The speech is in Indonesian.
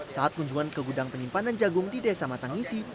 saat kunjungan ke gudang penyimpanan jagung di desa matangisi